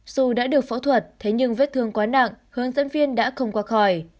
dù đã được phẫu thuật thế nhưng vết thương quá nặng hướng dẫn viên đã không qua khỏi